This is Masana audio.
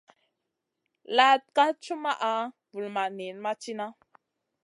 Laaɗ ka cumaʼa, vulmaʼ niyn ma cina.